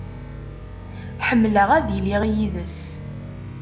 Ḥemmleɣ ad iliɣ yid-s.